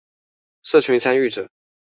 社群參與者